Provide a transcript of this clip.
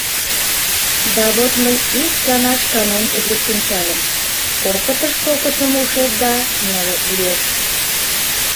Да вот мый ик гана шканем тыге пунчальым: кокытыш кокытым ушет да нылыт лиеш.